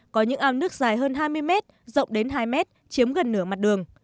có những ao nước dài hơn hai mươi m rộng đến hai m chiếm gần nửa mặt đường